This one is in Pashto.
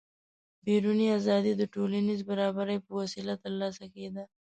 بیروني ازادي د ټولنیز برابري په وسیله ترلاسه کېده.